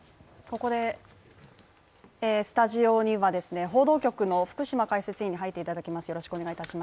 ここでスタジオには報道局のフクシマ解説委員に入っていただきます。